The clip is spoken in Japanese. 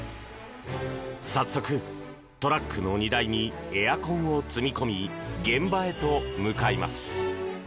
早速トラックの荷台にエアコンを積み込み現場へと向かいます。